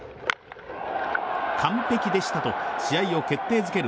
完璧でしたと試合を決定づける